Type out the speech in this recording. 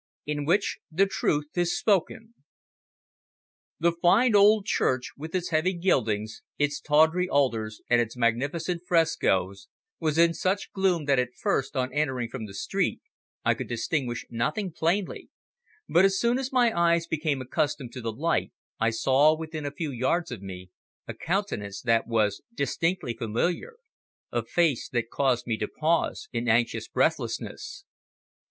IN WHICH THE TRUTH IS SPOKEN. The fine old church, with its heavy gildings, its tawdry altars and its magnificent frescoes, was in such gloom that at first, on entering from the street, I could distinguish nothing plainly, but as soon as my eyes became accustomed to the light I saw within a few yards of me a countenance that was distinctly familiar, a face that caused me to pause in anxious breathlessness.